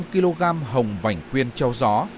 năm trăm linh kg hồng vành khuyên treo gió